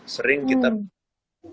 sering kita lupa